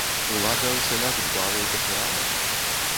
Улада ўсяляк дбала і пашырала?